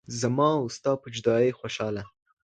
زما او ستا په جدايۍ خوشحاله